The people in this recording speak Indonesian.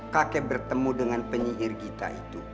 kakek bertemu dengan penyiir gita